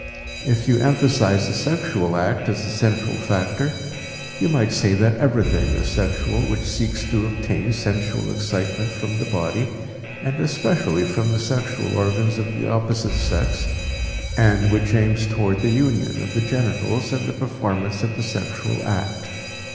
If you emphasize the sexual act as the central factor, you might say that everything is sexual which seeks to obtain sensual excitement from the body and especially from the sexual organs of the opposite sex, and which aims toward the union of the genitals and the performance of the sexual act.